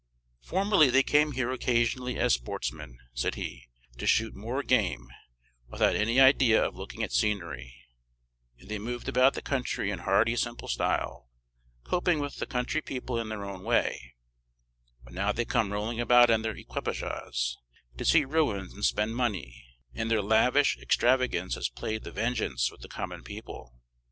"Formerly they came here occasionally as sportsmen," said he, "to shoot moor game, without any idea of looking at scenery; and they moved about the country in hardy simple style, coping with the country people in their own way; but now they come rolling about in their equipages, to see ruins, and spend money, and their lavish extravagance has played the vengeance with the common people.